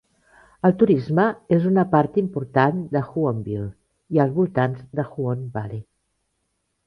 El turisme és una part important d'Huonville i els voltants d'Huon Valley.